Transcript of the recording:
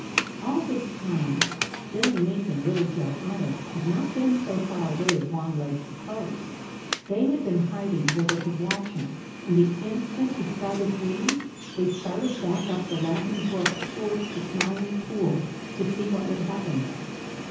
All this time Billy Mink and Little Joe Otter had not been so far away as Longlegs supposed. They had been hiding where they could watch him, and the instant he spread his wings, they started back up the Laughing Brook towards the Smiling Pool to see what would happen there.